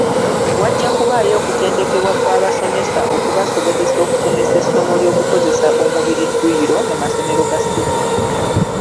Wajja kubaayo okutendekebwa kw'abasomesa okubasobozesa okusomesa essomo ly'okukozesa omubiri dduyiro mu masomero ga siniya.